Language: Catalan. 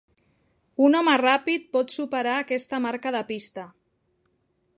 Un home ràpid pot superar aquesta marca de pista.